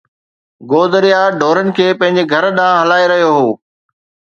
گودريا ڍورن کي پنھنجي گھر ڏانھن ھلائي رھيو ھو